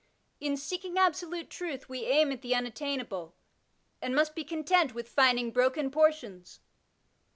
In seeking absolute truth we aim at the unattainable, and must be content with finding broken portions.